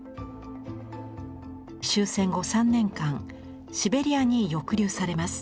終戦後３年間シベリアに抑留されます。